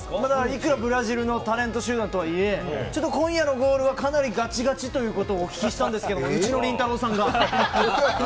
いくらブラジルのタレント集団とはいえちょっと今夜のゴールはかなりガチガチということをお聞きしたんですけどうちのりんたろー。さんが。